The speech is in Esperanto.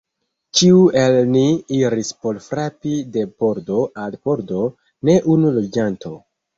Ĉiu el ni iris por frapi de pordo al pordo: ne unu loĝanto.